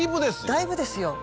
だいぶですよ。